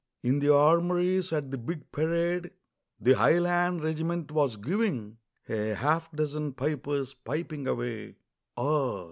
In the armories, at the big parade The highland regiment was giving, A half dozen pipers piping away Ah!